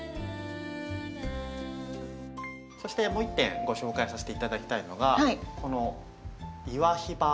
そしてもう１点ご紹介させて頂きたいのがこのイワヒバ。